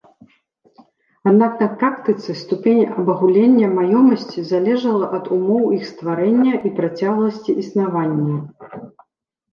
Аднак на практыцы ступень абагулення маёмасці залежала ад умоў іх стварэння і працягласці існавання.